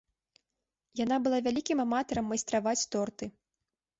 Яна была вялікім аматарам майстраваць торты.